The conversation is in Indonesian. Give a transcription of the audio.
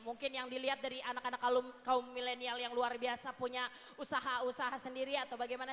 mungkin yang dilihat dari anak anak kaum milenial yang luar biasa punya usaha usaha sendiri atau bagaimana